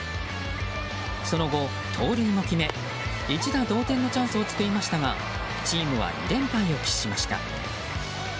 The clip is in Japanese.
その後、盗塁も決め一打同点のチャンスを作りましたがチームは２連敗を喫しました。